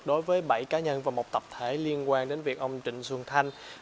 đối với bảy cá nhân và một tập thể liên quan đến việc ông trịnh xuân thanh